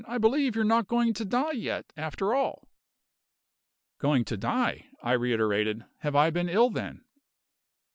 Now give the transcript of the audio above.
I believe you're not going to die yet, after all." "Going to die!" I reiterated. "Have I been ill, then?"